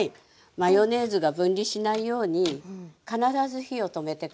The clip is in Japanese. マヨネーズが分離しないように必ず火を止めてから。